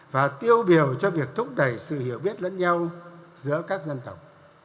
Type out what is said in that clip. và tiêu biểu cho việc thúc đẩy sự hiểu biết lẫn nhau giữa các dân tộc